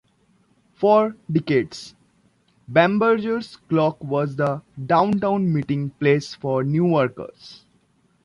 For decades, Bamberger's clock was the downtown meeting place for Newarkers.